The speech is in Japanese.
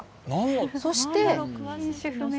そして。